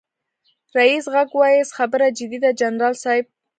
ريس غږ واېست خبره جدي ده جنرال صيب.